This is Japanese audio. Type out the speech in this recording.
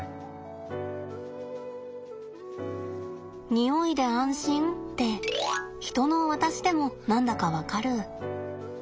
匂いで安心ってヒトの私でも何だか分かる。